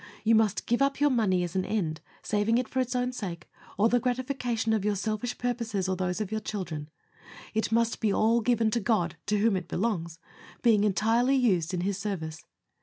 You must give up your money as an end: saving it for its own sake, or the gratification of your selfish purposes or those of your children it must be all given to God, to whom it belongs, being entirely used in His service.